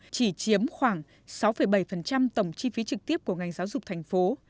chỉ chiếm khoảng sáu bảy tổng chi phí trực tiếp của ngành giáo dục thành phố